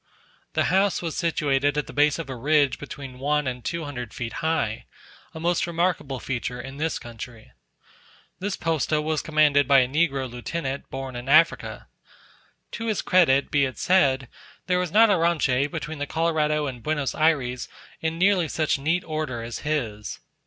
The house was situated at the base of a ridge between one and two hundred feet high a most remarkable feature in this country. This posta was commanded by a negro lieutenant, born in Africa: to his credit be it said, there was not a ranche between the Colorado and Buenos Ayres in nearly such neat order as his.